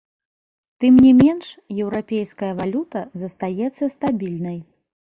Тым не менш, еўрапейская валюта застаецца стабільнай.